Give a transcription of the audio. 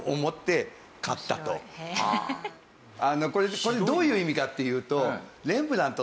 だからこれどういう意味かっていうと。